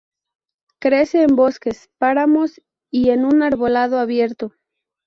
Crece en bosques, páramos y en arbolado abierto.